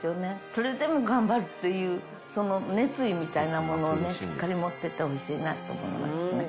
それでも頑張るというその熱意みたいなものをね、しっかり持っていってほしいなと思いますね。